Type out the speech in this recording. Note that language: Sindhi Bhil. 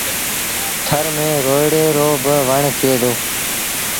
ٿر ميݩ روئيڙي رو با وڻ ٿئي دو۔